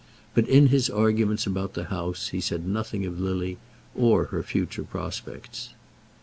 But in his arguments about the house he said nothing of Lily, or her future prospects.